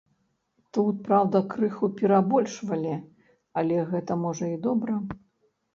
Тут, праўда, крыху перабольшвалі, але гэта можа і добра.